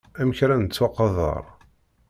Amek ara nettwaqader.